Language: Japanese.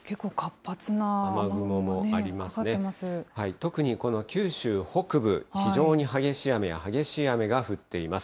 特にこの九州北部、非常に激しい雨や激しい雨が降っています。